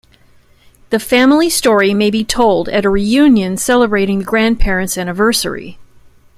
The family story may be told at a reunion celebrating the grandparents' anniversary.